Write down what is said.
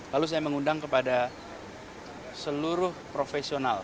lalu saya mengundang kepada seluruh profesional